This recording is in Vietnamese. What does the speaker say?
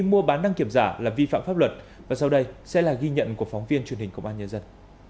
mua bán đăng kiểm giả là vi phạm pháp luật và sau đây sẽ là ghi nhận của phóng viên truyền hình công an nhân dân